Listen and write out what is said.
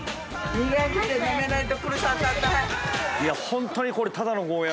苦くて飲めないと。